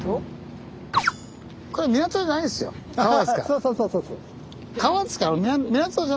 そうそうそうそう。